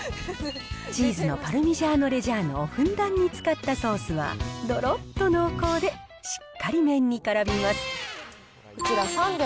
チーズのパルミジャーノ・レジャーノをふんだんに使ったソースは、どろっと濃厚で、しっかり麺にからみます。。